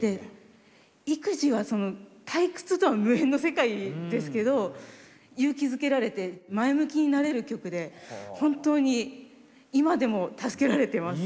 育児は退屈とは無縁の世界ですけど勇気づけられて前向きになれる曲で本当に今でも助けられてます。